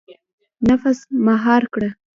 • نفس مهار کړه.